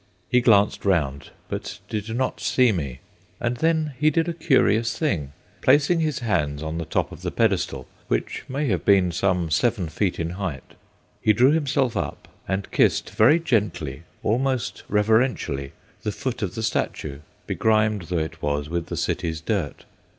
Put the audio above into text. He glanced round but did not see me; and then he did a curious thing. Placing his hands on the top of the pedestal, which may have been some seven feet in height, he drew himself up, and kissed very gently, almost reverentially, the foot of the statue, begrimed though it was with the city's dirt.